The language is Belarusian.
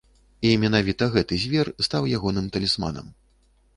І менавіта гэты звер стаў ягоным талісманам.